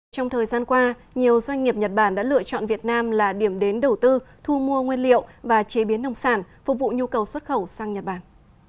trong thời gian qua nhiều doanh nghiệp nhật bản đã lựa chọn việt nam là điểm đến đầu tư thu mua nguyên liệu và chế biến nông sản phục vụ nhu cầu xuất khẩu sang nhật bản